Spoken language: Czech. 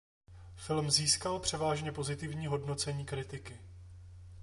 Film získal převážně pozitivní hodnocení kritiky.